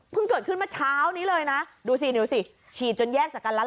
เกิดขึ้นเมื่อเช้านี้เลยนะดูสิดูสิฉีดจนแยกจากกันแล้ว